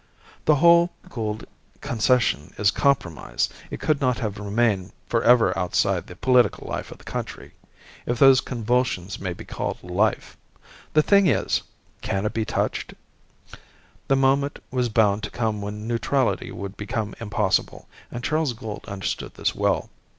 "The whole Gould Concession is compromised. It could not have remained for ever outside the political life of the country if those convulsions may be called life. The thing is can it be touched? The moment was bound to come when neutrality would become impossible, and Charles Gould understood this well.